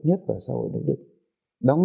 những cái điều kiện đó